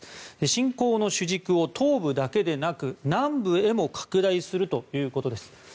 侵攻の主軸を東部だけでなく南部へも拡大するということです。